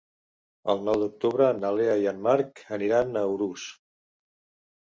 El nou d'octubre na Lea i en Marc aniran a Urús.